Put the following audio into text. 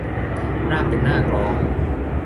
ราบเป็นหน้ากลอง